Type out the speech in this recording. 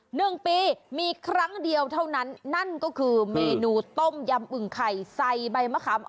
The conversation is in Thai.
หนึ่งปีมีครั้งเดียวเท่านั้นนั่นก็คือเมนูต้มยำอึ่งไข่ใส่ใบมะขาม